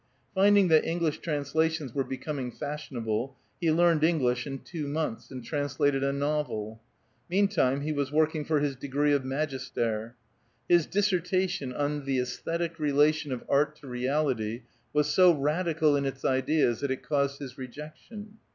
Finding that English translations were be coming fashionable, he learned English in two months, and translated a novel. Meantime, he was working for his degree of magister. His dissertation on " The JEsthetic Relation of Art to Realitv " was so radical in its ideas that it caused his rejection.